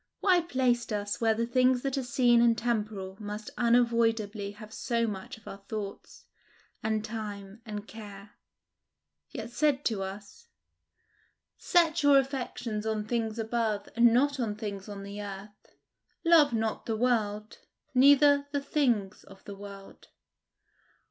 Why placed us where the things that are seen and temporal must unavoidably have so much of our thoughts, and time, and care, yet said to us, "Set your affections on things above, and not on things on the earth. Love not the world, neither the things of the world"?